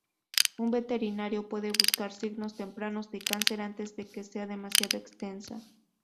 Un veterinario puede buscar signos tempranos de cáncer antes de que sea demasiado extensa.